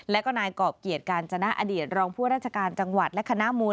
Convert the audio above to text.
และก็นายกรอบเกียรติกาญจนะอดีตรองผู้ราชการจังหวัดและคณะมูล